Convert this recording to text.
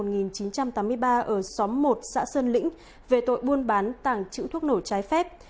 ở xóm một xã sơn lĩnh về tội buôn bán tảng chữ thuốc nổ trái phép